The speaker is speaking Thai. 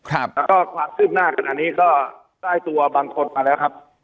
แล้วก็ความคืบหน้าขณะนี้ก็ได้ตัวบางคนมาแล้วครับ